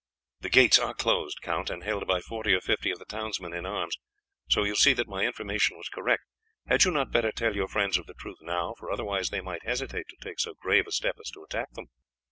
"The gates are closed, Count, and held by forty or fifty of the townsmen in arms, so you see that my information was correct. Had you not better tell your friends of the truth now, for otherwise they might hesitate to take so grave a step as to attack them?"